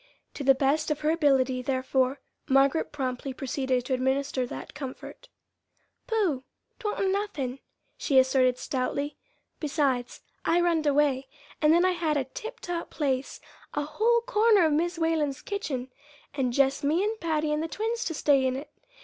To the best of her ability, therefore, Margaret promptly proceeded to administer that comfort. "Pooh! 'twa'n't nothin'," she asserted stoutly; "besides, I runned away, and then I had a tiptop place a whole corner of Mis' Whalen's kitchen, and jest me and Patty and the twins to stay in it.